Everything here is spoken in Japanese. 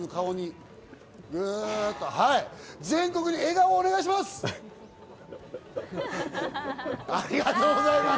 全国に笑顔をお願いします。